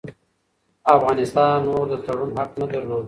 افغانستان نور د تړون حق نه درلود.